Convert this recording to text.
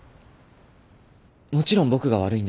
もちろん僕が悪いんです。